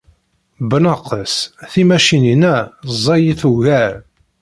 Bnaqes, timacinin-a ẓẓayit ugar.